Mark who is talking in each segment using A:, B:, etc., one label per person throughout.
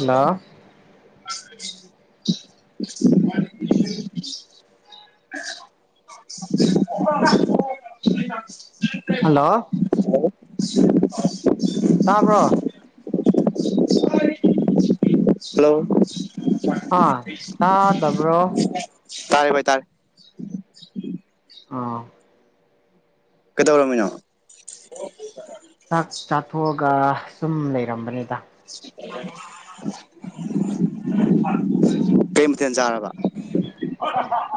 A: Hello
B: [unintelligible]
A: hello
B: [unintelligible]
A: ꯇꯥꯕ꯭ꯔꯣ
B: hello
A: ꯑꯥ ꯇꯗꯕ꯭ꯔꯣ
B: ꯇꯥꯔꯦ ꯚꯥꯏ ꯇꯥꯔꯦ
A: ꯑꯥ
B: ꯀꯇꯧ ꯗꯧꯔꯥꯝ ꯃꯤꯅꯣ꯫
A: ꯆꯥꯛ ꯆꯥꯊꯣꯛꯑꯒ ꯁꯨꯝ ꯂꯩꯔꯝꯕꯅꯤꯗ
B: ꯀꯩꯃꯅ ꯆꯔ [unintelligible]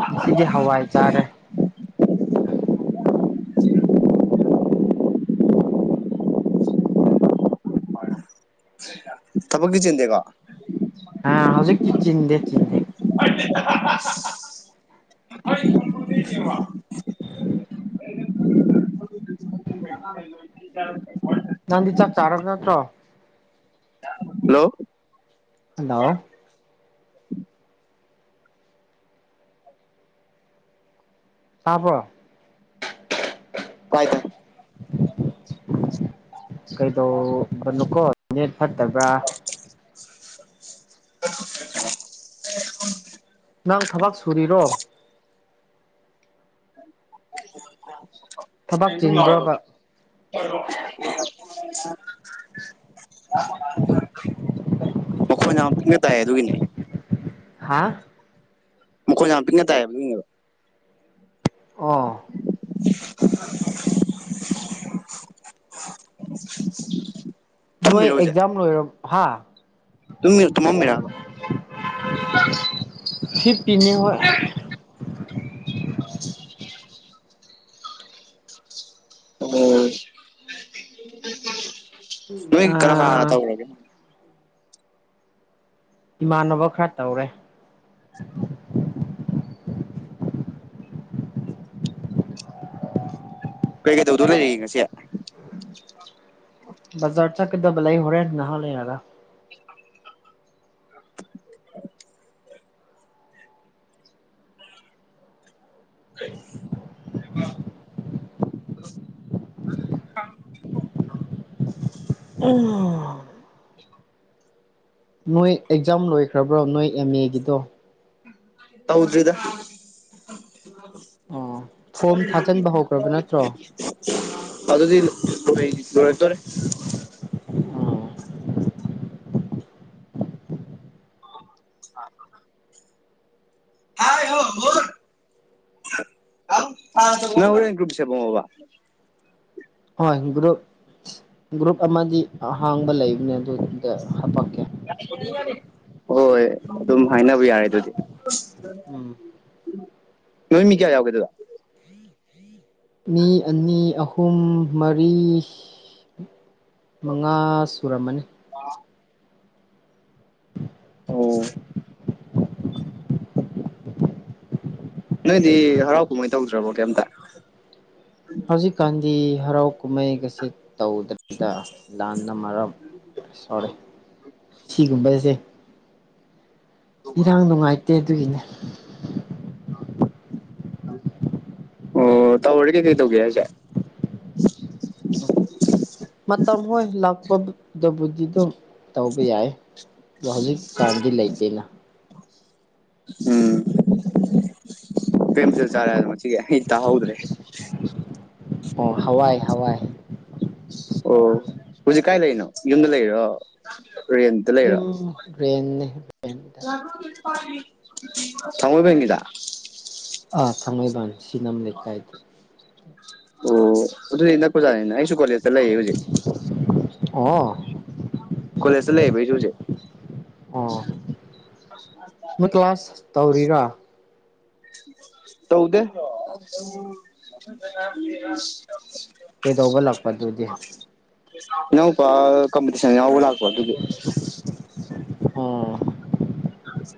A: ꯉꯁꯤꯗꯤ ꯍꯋꯥꯏ ꯆꯥꯔꯦ
B: [unintelligible] ꯊꯕꯛꯇꯤ ꯆꯇꯦꯀꯣ
A: ꯍꯥ ꯍꯧꯖꯤꯛꯛꯇ ꯆꯤꯟꯗꯦ ꯆꯤꯟꯗꯦ
B: [unintelligible] [unintelligible]
A: ꯅꯥꯟꯗꯤ ꯆꯥꯛ ꯆꯥꯔꯕ ꯅꯠꯇ꯭ꯔꯣ
B: ꯍꯜꯂꯣ
A: ꯍꯜꯂꯣ
B: [unintelligible]
A: ꯆꯥꯕ꯭ꯔꯣ
B: ꯇꯥꯏ ꯇꯥꯏ
A: [unintelligible]
B: [unintelligible]
A: ꯀꯩ ꯇꯣ ꯨ ꯀꯣ [unintelligible] ꯅꯦꯠ ꯐꯠꯇꯕ꯭ꯔꯥ
B: [inaudible]
A: ꯅꯪ ꯊꯕꯛ ꯁꯨꯔꯤꯔꯣ꯫
B: [inaudible] [inaudible]
A: ꯊꯕꯛ ꯆꯤꯟꯕ꯭ꯔꯣꯕ
B: ꯃꯈꯣꯟ ꯌꯥꯝ ꯄꯤꯛꯅ ꯇꯥꯏ ꯑꯗꯨꯒꯤꯅꯦ꫰
A: ꯍꯥꯥ
B: ꯃꯈꯣꯟ ꯌꯥꯝ ꯄꯤꯛꯅ ꯇꯥꯏꯌꯦꯕ ꯑꯗꯨꯒꯤꯅꯦꯕꯥ꯫
A: ꯑꯥ
B: [inaudible]
A: ꯅꯣꯏ
B: ꯇꯨꯝꯃꯤꯔꯣ ꯍꯧꯖꯤꯛ
A: ꯑꯦꯛꯖꯥꯝ ꯂꯣꯏꯔꯕ ꯍꯥꯥ
B: ꯇꯨꯝꯃꯤ ꯇꯨꯝꯃꯥꯝ
A: ꯍꯤꯞꯄꯤꯅꯦ ꯍꯣꯏ
B: ꯎꯝ ꯅꯣꯏ ꯀꯅꯥ ꯀꯅꯥ
A: ꯑꯥ
B: ꯇ
A: ꯏꯃꯥꯟꯅꯕ ꯈꯔ ꯇꯧꯔꯦ
B: ꯀꯩ ꯀꯩ ꯇꯧꯗꯧ ꯂꯩꯔꯤꯒꯦꯉꯁꯤ꯫
A: ꯀꯗ ꯂꯏ ꯍꯔꯦꯅꯥ ꯍ ꯂꯩꯦ ꯌꯥ [unintelligible]
B: [inaudible] [inaudible]
A: ꯎꯝ
B: [inaudible]
A: ꯅꯣꯏ ꯑꯦꯛꯖꯥꯝ ꯂꯣꯏꯈ꯭ꯔꯕ꯭ꯔꯣ ꯅꯣꯏ ꯑꯦꯝ ꯑꯦꯒꯤꯗꯣ
B: ꯇꯧꯗ꯭ꯔꯤꯗ꯫
A: ꯑꯣ ꯐꯣꯝ ꯊꯥꯖꯤꯟꯕ ꯍꯧꯈ꯭ꯔꯕ ꯅꯠꯇ꯭ꯔꯣ
B: ꯑꯗꯨꯗꯤ ꯂꯣꯏꯗꯣꯔꯦ꯫ ꯑ ꯅꯪ ꯍꯧꯔꯦꯟ ꯒꯔꯨꯞ ꯁꯦꯝꯃꯛꯑꯣꯕꯥ
A: ꯍꯣꯏ ꯒ꯭ꯔꯨꯞ ꯒ꯭ꯔꯨꯞ ꯑꯃꯗꯤ ꯑꯍꯥꯡꯕ ꯂꯩ ꯑ ꯑꯗꯨꯗ ꯍꯥꯞꯄꯛꯀꯦ
B: ꯍꯣꯏ ꯑꯗꯨꯝ ꯍꯥꯏꯅꯕ ꯌꯥꯔꯦ ꯑꯗꯨꯗꯤ ꯍ ꯎꯝ [inaudible] ꯅꯣꯏ ꯃꯤ ꯀꯌꯥ ꯌꯥꯎꯒꯦ ꯑꯗꯨꯗ
A: ꯃꯤ ꯑꯅꯤ ꯑꯍꯨꯝ ꯃꯔꯤ ꯃꯉꯥ ꯁꯨꯔꯝꯃꯅꯤ
B: ꯑꯣ ꯅꯣꯏꯗꯤ ꯍꯔꯥꯎ ꯀꯨꯝꯍꯩ ꯇꯧꯗ꯭ꯔꯕꯣ ꯀꯩꯝꯇ
A: ꯍꯧꯖꯤꯛꯀꯥꯟꯗꯤ ꯍꯔꯥꯎ ꯀꯨꯝꯍꯩꯒꯁꯤ ꯇꯧꯗꯕꯤꯗ ꯂꯥꯟꯅ ꯃꯔꯝ ꯁꯣꯔꯤ ꯁꯤꯒꯨꯝꯕꯁꯦ ꯏꯔꯥꯡ ꯅꯨꯡꯉꯥꯏꯇꯦ ꯑꯗꯨꯒꯤꯅꯦ
B: ꯑꯣ ꯇ ꯑꯣꯔꯒꯦ ꯀꯩ ꯇꯧꯒ ꯀ
A: ꯃꯇꯝ ꯍꯣꯏ ꯂꯥꯛꯄꯗꯕꯨꯗꯤ ꯑꯗꯨꯝ ꯇꯧꯕ ꯌꯥꯏ ꯍꯧꯖꯤꯛꯀꯥꯟꯗꯤ ꯂꯩꯇꯦꯅ
B: ꯎꯝ ꯄꯦꯝꯁꯤꯜ ꯆꯥꯔ ꯑꯗꯨ ꯃꯆꯒ ꯏꯇ ꯍꯗ꯭ꯔꯦ
A: ꯑꯣ ꯍꯋꯥꯏ ꯍꯋꯥꯏ
B: ꯑꯣ ꯍꯧꯖꯤꯛ ꯀꯥꯏ ꯂꯩꯔꯤꯅꯣ ꯌꯨꯝꯗ ꯂꯩꯔꯣ ꯔꯦꯟꯇ ꯂꯩꯔꯣ
A: ꯌꯨꯝ ꯦꯟꯗ
B: ꯊꯃꯕꯤ ꯍꯉꯗ
A: ꯑꯥ ꯊꯥꯡꯃꯩꯕꯟ ꯁꯤꯅꯦꯝ ꯂꯩꯀꯥꯏꯗ
B: ꯑꯣ ꯑꯗꯨꯗꯤ ꯅꯄꯖꯥꯅꯤꯅꯦ ꯑꯩꯁꯨ ꯀꯣꯂꯦꯖꯇ ꯂꯩꯌꯦ ꯍꯧꯖꯤꯛ
A: ꯑꯣ
B: ꯀꯣꯂꯖ ꯂꯩꯩꯁꯨꯨꯁ
A: ꯑ ꯃ ꯀ꯭ꯂ ꯀ꯭ꯂꯥꯁ ꯇꯧꯔꯤꯔꯥ
B: ꯇꯧꯗꯦ
A: ꯀꯩꯗꯧꯕ ꯂꯥꯛꯄꯗꯨꯗꯤ
B: ꯅꯎꯄꯥ ꯀꯝꯄꯇꯤꯁꯟ ꯌꯥꯎ ꯍꯥꯥꯛꯄ ꯑꯗꯨꯗꯤ
A: ꯑꯣ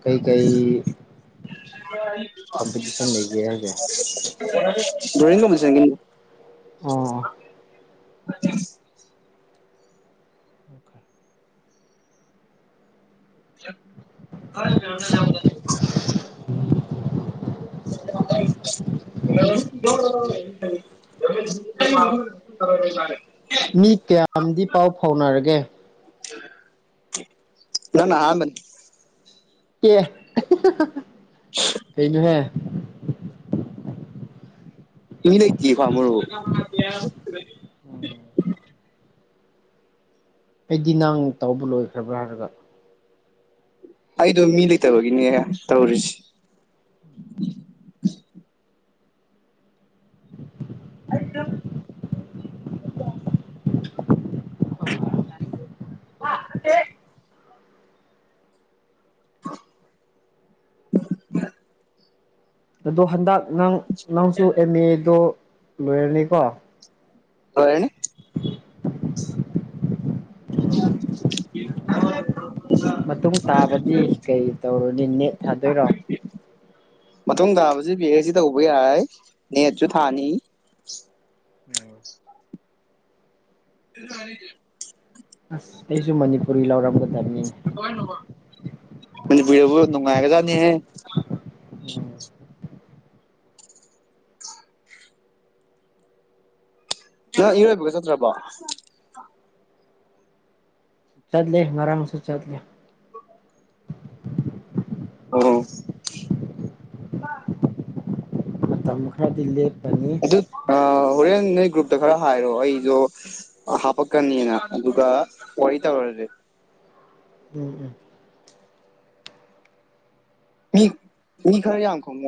A: ꯀꯩ ꯀꯩ
B: ꯎ [unintelligible] ꯗ꯭ꯔꯣꯣꯌ ꯀꯕꯨꯁ ꯀ
A: ꯑꯣ
B: ꯑ ꯍꯔ ꯀ ꯌꯥ ꯦ
A: ꯃꯤ ꯀꯌꯥꯝꯗꯤ ꯄꯥꯎ ꯐꯥꯎꯅꯔꯒꯦ
B: ꯂꯅꯥ ꯑꯃꯅꯤ
A: ꯀ ꯀꯩꯩꯅꯣ ꯍꯦ
B: ꯇ ꯂꯩꯛꯇꯌꯦ ꯈ ꯑꯃꯔ
A: ꯑꯩꯗꯤ ꯅꯪ ꯇꯥꯎꯕ ꯂꯣꯏꯈ꯭ꯔꯕ꯭ꯔꯥ ꯍꯥꯏꯔꯒ
B: ꯑꯩꯗꯣ ꯃꯤ ꯂꯩꯇꯕꯒꯤꯅꯦ ꯇꯧꯔꯤꯁꯤ [unintelligible]
A: [unintelligible]
B: ꯋꯥꯦ
A: ꯑꯗꯣ ꯍꯟꯗꯛ ꯅꯪ ꯅꯪꯁꯨ ꯑꯦꯝ ꯑꯦꯗꯣ ꯂꯣꯏꯔꯅꯤ ꯀꯣ
B: ꯍꯣꯅꯤ [unintelligible]
A: ꯃꯇꯨꯡ ꯇꯥꯕꯗꯤ ꯀꯩ ꯇꯧꯔꯨꯅꯤ ꯅꯦꯠ ꯊꯥꯗꯣꯏꯔꯣ
B: ꯃꯇꯨꯡ ꯇꯥꯕꯁꯤ ꯄꯤ ꯑꯩꯁꯤ ꯇꯧꯕ ꯌꯥꯏ ꯅꯦꯠꯁꯨ ꯊꯥꯅꯤ
A: ꯎꯝ
B: ꯇꯥꯔ ꯀ
A: ꯑꯁ ꯑꯩꯁꯨ ꯃꯅꯤꯄꯨꯔꯔꯤ ꯂꯥꯎꯔꯝ ꯀꯗ
B: ꯕꯨ ꯅꯨꯡꯉꯥꯏꯒ ꯆꯅꯤ ꯍꯥꯏꯦ
A: ꯎꯝ
B: ꯅ ꯏꯔꯣꯏꯕꯒ ꯆꯠꯇ꯭ꯔꯕꯣ
A: ꯆꯠꯂ ꯑꯔꯝꯁ ꯆꯠꯂꯦ
B: ꯑꯣ
A: ꯃꯇꯝ ꯈꯔꯗꯤ ꯂꯦꯞ
B: ꯑꯗꯨ ꯑ ꯍꯣꯔꯦꯟ ꯅꯣꯏ ꯒ꯭ꯔꯨꯞꯇ ꯈꯔ ꯍꯥꯏꯔꯣ ꯑꯩꯁꯨꯣ ꯍꯥꯄꯛꯀꯅꯤꯅ ꯑꯗꯨꯒ ꯋꯥꯔꯤ ꯇꯧꯔꯁꯦ
A: ꯎꯝ ꯎꯝ
B: ꯃꯤ ꯃꯤ ꯈꯔ ꯌꯥꯝ ꯈꯣꯡ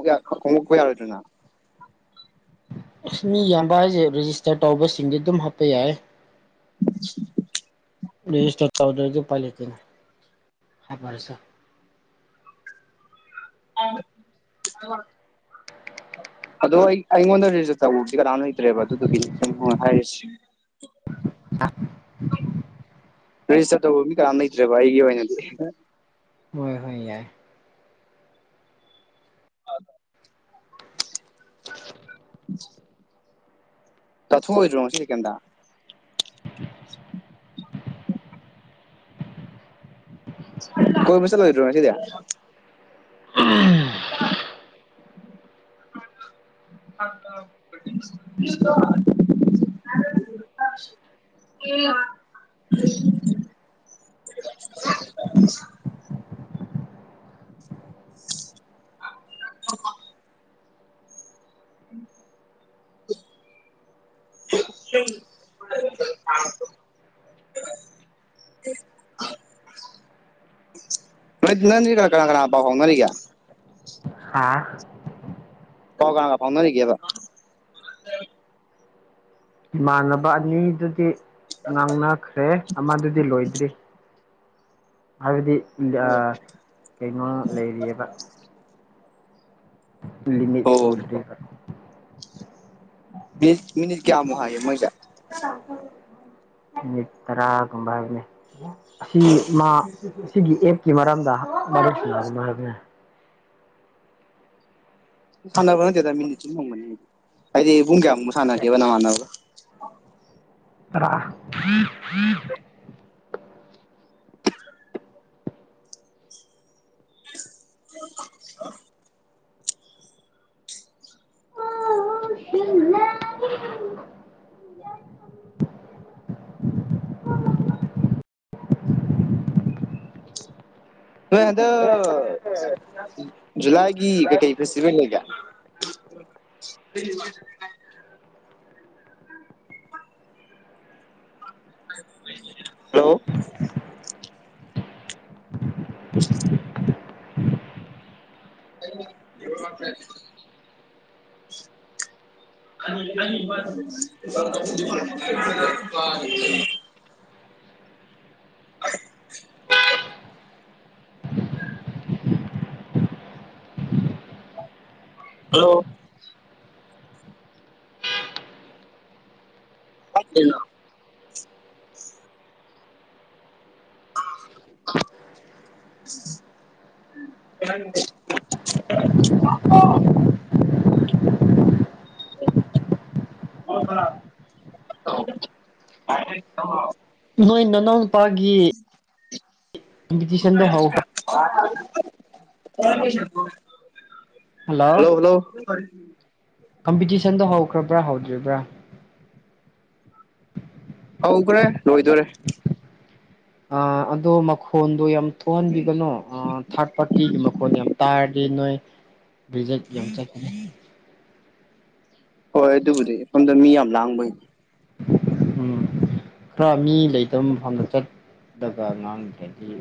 B: ꯈꯣꯉꯣꯛꯄ ꯌꯥꯔꯣꯏꯗꯅ
A: ꯑꯁ ꯃꯤ ꯌꯥꯝꯕ ꯍꯥꯏꯁꯦ ꯔꯦꯖꯤꯁꯇꯔ ꯇꯧꯕꯁꯤꯡꯗꯤ ꯑꯗꯨꯝ ꯍꯥꯞꯄ ꯌꯥꯏ
B: [unintelligible]
A: ꯔꯦꯁꯇꯔ ꯇꯗꯔꯒ ꯄꯅ ꯍꯥꯏꯔꯁ
B: ꯑ ꯑꯗꯣ ꯑꯩ ꯑꯩꯉꯣꯟꯗ ꯇꯧꯕꯁꯤꯦ ꯀꯅꯥꯅꯣ ꯂꯩꯇ꯭ꯔꯦꯕ ꯑꯗꯨꯗꯨꯒꯤꯅꯤ ꯍꯥꯏꯔꯤꯁꯤ ꯔꯦꯖꯤꯁꯇꯔ ꯇꯧꯕ ꯃꯤ ꯀ ꯂꯩꯇ꯭ꯔꯦꯕ ꯑꯩꯒꯤ ꯑꯣꯏꯅꯗꯤ
A: ꯍꯣꯏ ꯍ ꯌꯥꯏ
B: ꯑꯗ [unintelligible] ꯇꯊ ꯑꯣꯏꯣꯉ ꯁꯤ ꯀꯗ ꯀꯣꯏ ꯃꯁꯂꯔ ꯁꯤꯗ ꯑ [unintelligible] [unintelligible] ꯅ ꯀ ꯀꯅꯥ ꯀꯅꯥ ꯄ ꯐꯥꯎ ꯉꯔꯤꯒ
A: ꯍꯥꯥ
B: ꯄꯥꯎ ꯀꯥꯒ ꯐꯥꯎꯅꯅꯤ ꯀꯕ
A: ꯏꯃꯥꯟꯅꯕ ꯑꯅꯤꯗꯨꯗꯤ ꯉꯥꯡꯅꯈ꯭ꯔꯦ ꯑꯃꯗꯨꯗꯤ ꯂꯣꯏꯗ꯭ꯔꯤ ꯍꯥꯏꯗꯤ ꯑ ꯀꯩꯅꯣ ꯂꯩꯔꯤꯑꯕ ꯂꯃꯤ
B: ꯑꯣ
A: ꯆꯨꯔ
B: ꯃꯤ ꯃꯤꯅꯤꯁ ꯀꯃꯣ ꯍꯥꯏ ꯃꯥ
A: ꯃꯤꯠꯇꯔꯥꯒꯨꯝꯕꯕꯅꯦ ꯑꯁꯤ ꯃꯥ ꯁꯤꯒꯤ ꯑꯦꯞꯀꯤ ꯃꯔꯝꯗ ꯃꯔꯝꯁꯤꯂꯕ ꯃꯔꯅꯦ
B: ꯊꯥꯟꯗꯕꯅꯗ ꯃꯤꯗꯤ ꯆꯣꯡꯕꯅꯤ ꯍꯥꯏꯗꯤ ꯄꯨꯡ ꯀꯌꯥꯃꯨꯛ ꯁꯥꯟꯅꯒꯦꯕ ꯅꯃꯥꯟꯅꯕꯒ
A: [unintelligible]
B: [unintelligible]
A: inaudible
B: ꯅꯣꯏ ꯍꯟꯗꯛ ꯖꯨꯂꯥꯏꯒꯤ ꯀꯩꯀꯩ ꯐꯦꯁꯇꯤꯚꯦꯜ ꯂꯩꯒ ꯎ [unintelligible] ꯍꯜꯂꯣ inaudible inaudible ꯍꯜꯂꯣ ꯅꯣ [unintelligible]
A: ꯅꯣꯏ ꯅꯅ ꯀꯝꯄꯤꯇꯤꯁꯟꯗꯣ ꯍꯧꯈ꯭ꯔ
B: ꯍ ꯑꯣ ꯍꯜꯂꯣ ꯍꯜꯂꯣ ꯐ
A: ꯀꯝꯄꯤꯇꯤꯁꯟꯗꯣ ꯍꯧꯈ꯭ꯔꯕ꯭ꯔꯥ ꯍꯧꯗ꯭ꯔꯤꯕ꯭ꯔꯥ
B: ꯍꯧꯈ꯭ꯔꯦ ꯂꯣꯏꯗꯣꯔꯦ
A: ꯑ ꯑꯗꯨꯗꯣ ꯃꯈꯣꯟ ꯑꯗꯣ ꯌꯥꯝ ꯊꯣꯛꯍꯟꯕꯤꯒꯅꯣ ꯊꯥꯔꯠ ꯄꯥꯔꯇꯤꯒꯤ ꯃꯈꯣꯟ ꯌꯥꯝ ꯇꯥꯔꯗꯤ ꯅꯣꯏ ꯕ꯭ꯔꯤꯖꯦꯛ ꯌꯥꯝ ꯆꯠꯈꯤꯦ
B: ꯍꯣꯏ ꯑꯗꯨꯕꯨꯗꯤ ꯃꯗ ꯃꯤ ꯌꯥꯝ ꯂꯥꯡꯕꯩꯅꯤ
A: ꯎꯝ ꯈꯔ ꯃꯤ ꯂꯩꯇꯕ ꯃꯐꯝꯗ ꯆꯠꯂꯒ ꯉꯥꯡ꯭ꯔꯦꯗꯤ ꯎ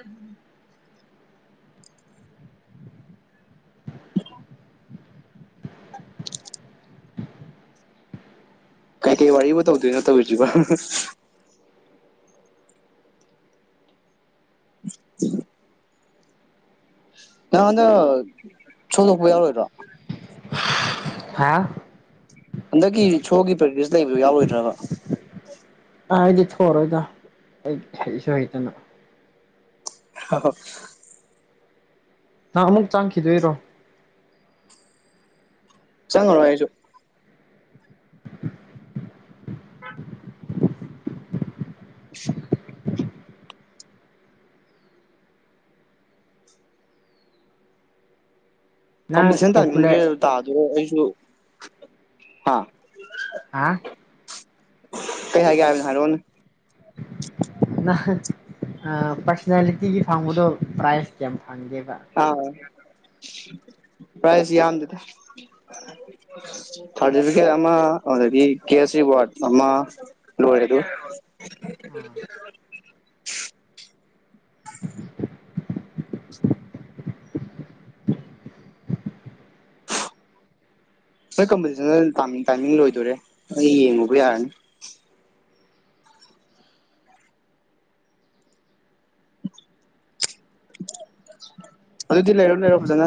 B: ꯎꯝ ꯀꯩꯀꯩ ꯋꯥꯔꯤꯕꯨ ꯇꯧꯗꯣꯏꯅꯣꯠꯇꯧꯁꯤꯕ [unintelligible] ꯅꯪꯗ ꯆꯣꯂ ꯍꯄ ꯌꯥꯎꯔꯣ ꯑꯣꯏꯔꯣ
A: ꯍꯥ
B: ꯍꯟꯗꯛꯀꯤ ꯁꯣꯒꯤ ꯄ꯭ꯔꯦꯛꯇꯤꯁ ꯂꯩꯕ ꯌꯥꯎꯔꯣꯏꯗ꯭ꯔꯕ
A: ꯑꯥ ꯑꯩꯗꯤ ꯊꯔꯣꯏꯗ ꯑꯩ ꯍꯩꯁꯨ ꯍꯩꯇꯅ
B: ꯑ
A: ꯅ ꯑꯃꯨꯛ ꯆꯥꯡꯈꯤꯗꯣꯏꯔꯣ
B: ꯆꯉꯅ ꯍꯥꯏꯁꯨꯣ
A: ꯅꯪ
B: ꯀꯝꯄꯤꯇꯤꯁꯟ ꯇꯥꯅꯤꯡꯁꯦ
A: ꯄꯣꯄꯨꯂꯔ
B: ꯇꯥꯗꯣ ꯑꯩꯁꯨ ꯍꯥꯥ
A: ꯍꯥ
B: ꯀꯩꯒꯌꯥ ꯊꯔ ꯑꯣꯅ
A: ꯑ ꯄꯔꯁꯅꯦꯂꯤꯇꯤꯒꯤ ꯐꯥꯎꯗꯣ ꯄ꯭ꯔꯥꯏꯁ ꯀꯌꯥꯃ ꯐꯗꯦꯕ
B: ꯑꯥ ꯄ꯭ꯔꯥꯏꯖ ꯌꯥꯝꯗꯗ ꯁꯥꯔꯇꯤꯐꯤꯀꯦꯠ ꯑꯃ ꯑꯗꯨꯗꯒꯤ ꯀꯦꯁ ꯔꯤꯋꯥꯔꯗ ꯑꯃ ꯂꯣꯏꯔꯦ ꯑꯗꯨ
A: ꯑꯥ
B: ꯉꯥꯏ ꯀꯝꯄꯁꯗ ꯇꯃꯤ ꯇꯥꯏꯃꯤꯡ ꯂꯣꯏꯗꯣꯏꯔꯦ ꯅ ꯌꯦꯡꯉꯨꯕ꯭ꯔ ꯌꯥꯔꯅꯤ ꯑꯗꯨꯗꯤ ꯂꯩꯔꯣ ꯂꯩꯔꯣ ꯐꯖꯅ